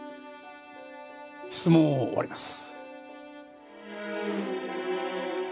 質問を終わります。